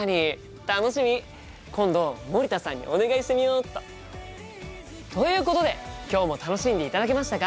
今度森田さんにお願いしてみよっと。ということで今日も楽しんでいただけましたか？